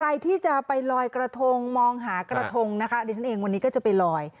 ใครที่จะไปลอยกระทงมองหากระทงนะคะดิฉันเองวันนี้ก็จะไปลอย